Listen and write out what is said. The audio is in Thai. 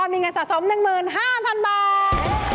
มีเงินสะสม๑๕๐๐๐บาท